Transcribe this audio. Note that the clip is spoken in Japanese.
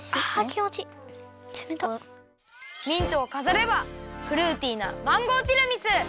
ミントをかざればフルーティーなマンゴーティラミス！